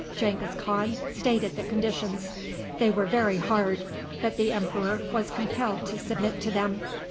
Genghis Khan stated the conditions. They were very hard, but the emperor was compelled to submit to them.